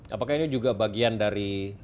apakah ini juga bagian dari